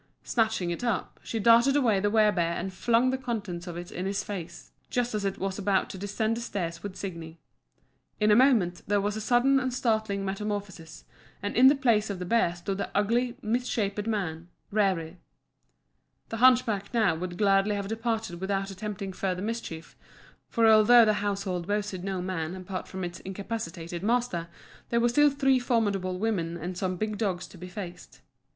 Snatching it up, she darted after the wer bear and flung the contents of it in its face, just as it was about to descend the stairs with Signi. In a moment there was a sudden and startling metamorphosis, and in the place of the bear stood the ugly, misshapen man, Rerir. The hunchback now would gladly have departed without attempting further mischief; for although the household boasted no man apart from its incapacitated master, there were still three formidable women and some big dogs to be faced.